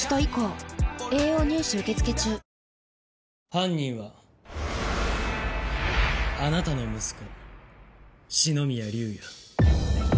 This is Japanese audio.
犯人はあなたの息子四ノ宮竜也。